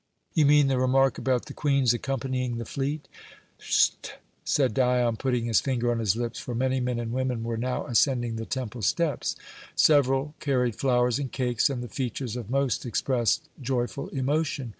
"You mean the remark about the Queen's accompanying the fleet?" "St!" said Dion, putting his finger on his lips, for many men and women were now ascending the temple steps. Several carried flowers and cakes, and the features of most expressed joyful emotion.